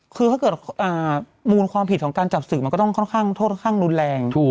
ถ้าเกิดมูลความผิดการจับศึกมันก็ต้องค่อนข้างรุนแรง